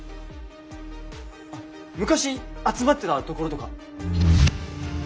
あっ昔集まってたところとか。